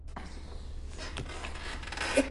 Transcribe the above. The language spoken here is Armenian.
Զարդարվում է, որպես օրենք, եփած կարտոֆիլով։